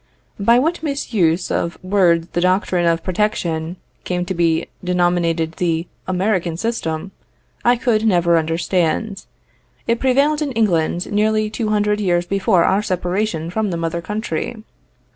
By what misuse of words the doctrine of Protection came to be denominated the "American System," I could never understand. It prevailed in England nearly two hundred years before our separation from the mother country.